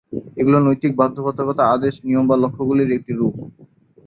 এগুলি নৈতিক বাধ্যবাধকতা, আদেশ, নিয়ম বা লক্ষ্যগুলির একটি রূপ।